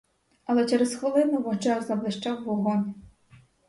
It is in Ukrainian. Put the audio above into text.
Але через хвилину в очах заблищав вогонь.